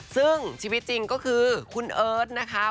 ซึ่งชีวิตจริงก็คือคุณเอิร์ทนะคะ